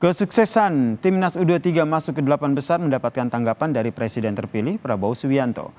kesuksesan timnas u dua puluh tiga masuk ke delapan besar mendapatkan tanggapan dari presiden terpilih prabowo subianto